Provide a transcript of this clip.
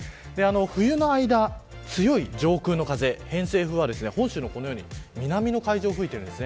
冬の間は、強い上空の風偏西風はこのように本州の南の海上を吹いています。